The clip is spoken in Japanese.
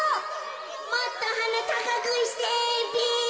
「もっとはなたかくしてべ！」。